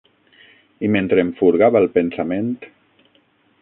I mentre em furgava el pensament